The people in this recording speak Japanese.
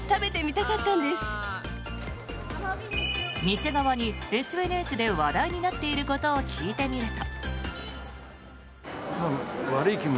店側にＳＮＳで話題になっていることを聞いてみると。